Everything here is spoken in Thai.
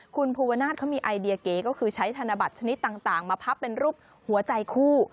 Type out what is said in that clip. คุณภูวนาศเขามีไอเดียเก๋ก็คือใช้ธนบัตรชนิดต่างมาพับเป็นรูปหัวใจคู่